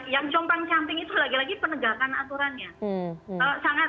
yang compang camping itu lagi lagi penegakan aturannya